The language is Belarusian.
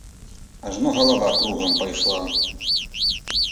Ажно галава кругам пайшла.